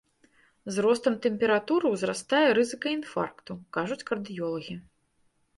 З ростам тэмпературы ўзрастае рызыка інфаркту, кажуць кардыёлагі.